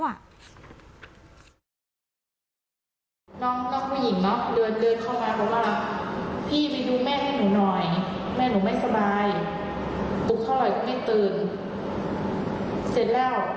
ตัวแข็งก็แย่ปลุกเท่าไหร่ก็ไม่ตื่นเสร็จแล้ว